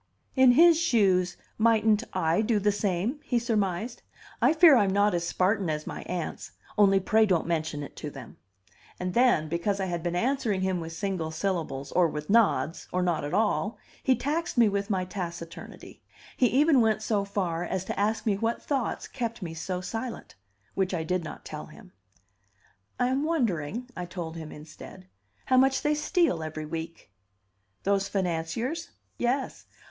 "In his shoes mightn't I do the same?" he surmised. "I fear I'm not as Spartan as my aunts only pray don't mention it to them!" And then, because I had been answering him with single syllables, or with nods, or not at all, he taxed me with my taciturnity; he even went so far as to ask me what thoughts kept me so silent which I did not tell him. "I am wondering," I told him instead, "how much they steal every week." "Those financiers?" "Yes.